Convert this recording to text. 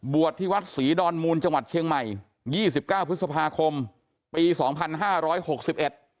บวชที่วัดศรีดอนมูลจังหวัดเชียงใหม่๒๙พฤษภาคมปี๒๕๖๑